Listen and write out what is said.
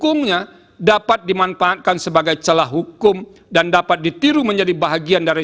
hukumnya dapat dimanfaatkan sebagai celah hukum dan dapat ditiru menjadi bahagian dari